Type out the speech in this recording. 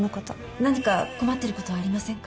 何か困っている事はありませんか？